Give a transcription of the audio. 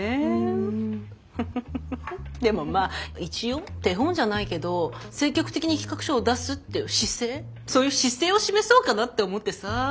でもまあ一応手本じゃないけど積極的に企画書を出すっていう姿勢そういう姿勢を示そうかなって思ってさ。